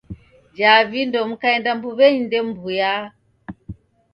Jaa vindo mukaenda mbuw'enyi ndemw'uya.